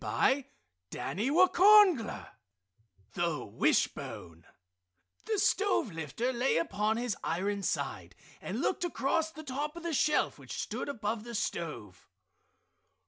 THE WISHBONE The stove lifter lay upon his iron side and looked across the top of the shelf which stood above the stove.